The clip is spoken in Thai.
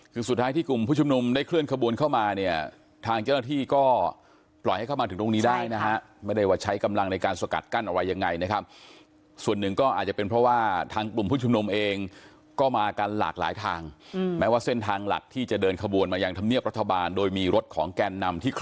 คือสุดท้ายที่กลุ่มผู้ชุมนุมได้เคลื่อนขบวนเข้ามาเนี่ยทางเจ้าหน้าที่ก็ปล่อยให้เข้ามาถึงตรงนี้ได้นะฮะไม่ได้ว่าใช้กำลังในการสกัดกั้นอะไรยังไงนะครับส่วนหนึ่งก็อาจจะเป็นเพราะว่าทางกลุ่มผู้ชุมนุมเองก็มากันหลากหลายทางแม้ว่าเส้นทางหลักที่จะเดินขบวนมายังธรรมเนียบรัฐบาลโดยมีรถของแกนนำที่ค